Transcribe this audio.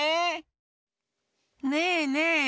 ねえねえ！